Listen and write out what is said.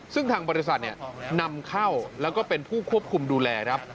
ซึ่งทางบริษัทนำเข้าแล้วก็เป็นผู้ควบคุมดูแลครับ